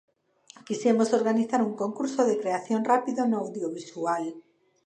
Quixemos organizar un concurso de creación rápido no audiovisual.